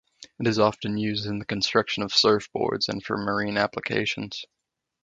It is often used in the construction of surfboards and for marine applications.